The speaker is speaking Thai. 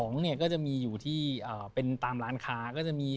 ๒เนี่ยก็จะมีที่ตามร้านค้าก็จะมี